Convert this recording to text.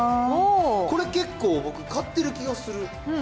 これ結構、僕、買ってる気がする。